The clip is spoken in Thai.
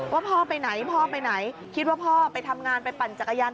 ว่าพ่อไปไหนพ่อไปไหนคิดว่าพ่อไปทำงานไปปั่นจักรยาน